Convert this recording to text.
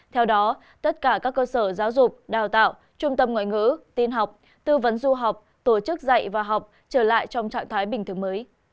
theo đó tất cả các cơ sở giáo dục đào tạo trung tâm ngoại ngữ tin học tư vấn du học tổ chức dạy và học trở lại trong trạng thái bình thường mới